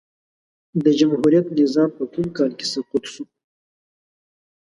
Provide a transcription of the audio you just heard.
د جمهوريت نظام په کوم کال کی سقوط سو؟